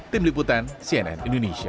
tim liputan cnn indonesia